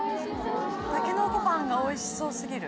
たけのこパンがおいしそう過ぎる。